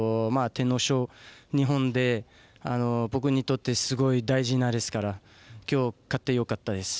天皇賞、日本で僕にとってすごい大事なレースですから今日、勝ってよかったです。